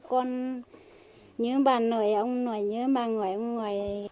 còn bốn người con của chị thào thị bàng đã trở về nhà